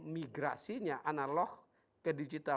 migrasinya analog ke digital